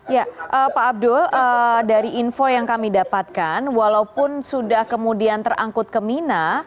ya pak abdul dari info yang kami dapatkan walaupun sudah kemudian terangkut ke mina